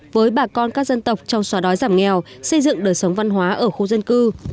với bà con các dân tộc trong xóa đói giảm nghèo xây dựng đời sống văn hóa ở khu dân cư